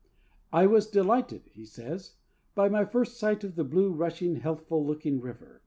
'I was delighted,' he says, 'by my first sight of the blue, rushing, healthful looking river.